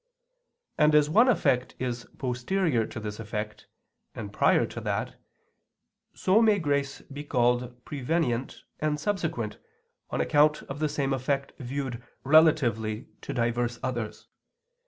And as one effect is posterior to this effect, and prior to that, so may grace be called prevenient and subsequent on account of the same effect viewed relatively to divers others.